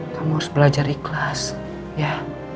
kamu harus belajar ikhlas ya